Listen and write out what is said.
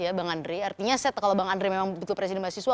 artinya kalau bang andre memang betul presiden mahasiswa